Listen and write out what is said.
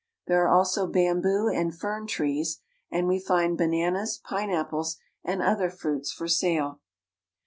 There are also bamboo and fern trees, and we find bananas, pineapples, and other fruits for sale.